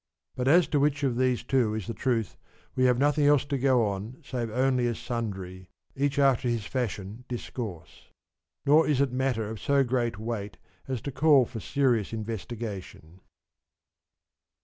94 but as to which of these two is the truth we have nothing else to go on save only as sundry, each after his fancy, discourse ; nor is it matter of so great weight as to call for serious investigation.